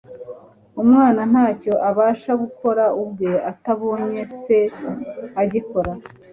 "Umwana ntacyo abasha gukora ubwe atabonye se agikora.